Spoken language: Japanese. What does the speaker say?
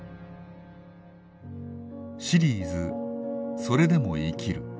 シリーズ「それでも生きる」